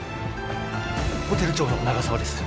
ホテル長の長澤です。